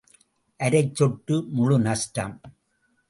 அரைச் set முழு நஷ்டம்.